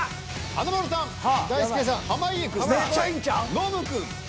華丸さんは？